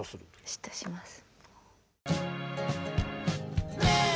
嫉妬します。